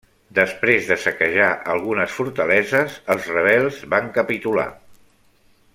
Després de saquejar algunes fortaleses els rebels van capitular.